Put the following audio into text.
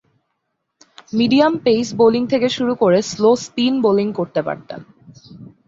Medium pace bowling থেকে শুরু করে স্লো স্পিন বোলিং করতে পারতেন।